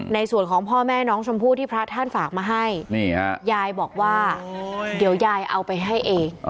ในส่วนของพ่อแม่น้องชมพู่ที่พระท่านฝากมาให้ยายบอกว่าเดี๋ยวยายเอาไปให้เอง